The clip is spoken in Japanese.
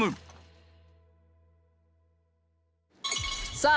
さあ